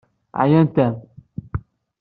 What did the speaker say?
Ɛeyynent-am.